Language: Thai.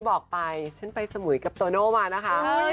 บอกไปฉันไปสมุยกับโตโน่มานะคะ